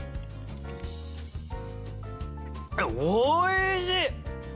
おいしい！